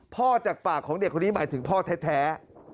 จากปากของเด็กคนนี้หมายถึงพ่อแท้